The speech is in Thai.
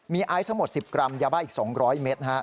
มีไอซ์ทั้งหมด๑๐กรัมยาบ้าอีก๒๐๐เมตร